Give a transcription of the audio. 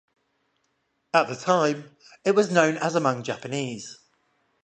At the time, it was known as among Japanese.